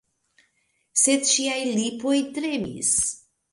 Sed ŝiaj lipoj tremis.